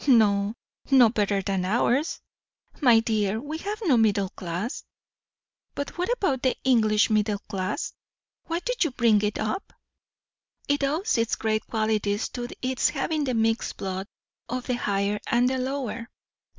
"No! no better than ours." "My dear, we have no middle class." "But what about the English middle class? why do you bring it up?" "It owes its great qualities to its having the mixed blood of the higher and the lower."